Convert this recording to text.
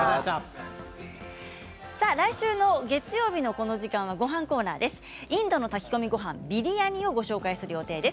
来週月曜日のコーナーはごはんコーナーです。